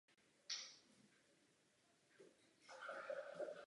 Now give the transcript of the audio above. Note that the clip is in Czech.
Byl povolán do vládní komise pro reformu rakouského soudnictví.